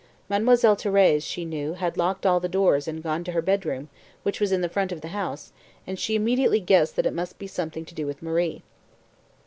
Mademoiselle Thérèse, she knew, had locked all the doors and gone to her bedroom, which was in the front of the house, and she immediately guessed that it must be something to do with Marie.